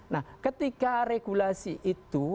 nah ketika regulasi itu